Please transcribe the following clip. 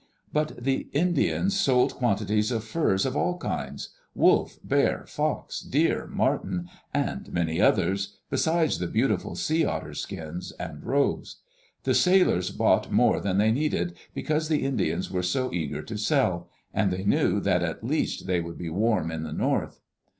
But the Indians sold quantities of furs of all kinds — wolf, bear, fox, deer, marten, and many others, besides the beautiful sea otter skins and robes. The sailors bought more than they needed because the Indians were so eager to sell; and they knew that at least they would be warm in the north.